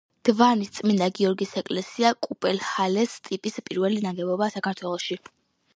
დვანის წმინდა გიორგის ეკლესია კუპელჰალეს ტიპის პირველი ნაგებობაა საქართველოში.